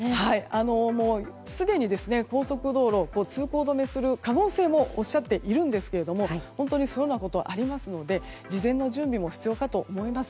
すでに高速道路を通行止めする可能性もおっしゃっているんですが本当にそういうことがあるので事前の準備も必要かと思います。